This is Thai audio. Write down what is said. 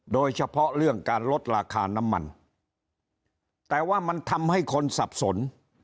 โดยเฉพาะเรื่องการลดราคาน้ำมันแต่ว่ามันทำให้คนสับสน